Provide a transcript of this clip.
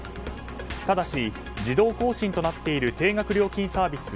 ただし自動更新となっている定額料金サービス